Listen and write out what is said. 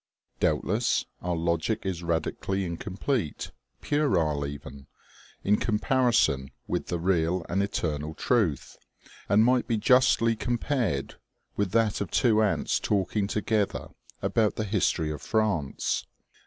Doubtless, our logic is radically incomplete, puerile even, in comparison with the real and eternal Truth, and might be justly compared with that of two ants talking together about the history of France.